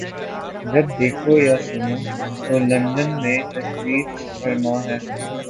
جب دیکھو یا سنو تو لندن میں تشریف فرما ہیں۔